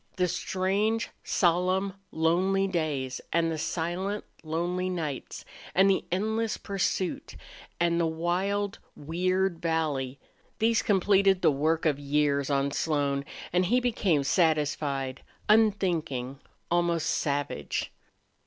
The strange, solemn, lonely days and the silent, lonely nights, and the endless pursuit, and the wild, weird valley these completed the work of years on Slone and he became satisfied, unthinking, almost savage.